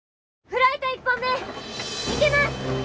フライト１本目いきます！